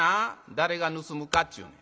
誰が盗むかっちゅうねん。